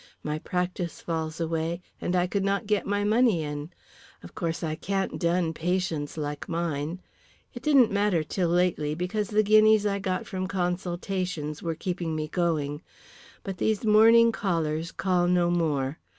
My practice falls away, and I could not get my money in. Of course I can't dun patients like mine. It didn't matter till lately, because the guineas I got from consultations were keeping me going. But these morning callers call no more.